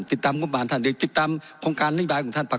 ติดตามงบบานท่านหรือติดตามโครงการนิยบายของท่าน